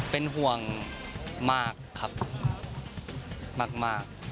เป็นห่วงมากครับมาก